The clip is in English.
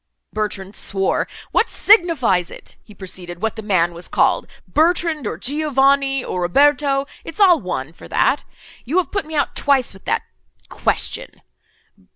Bertrand swore. "What signifies it," he proceeded, "what the man was called—Bertrand, or Giovanni—or Roberto? it's all one for that. You have put me out twice with that—question.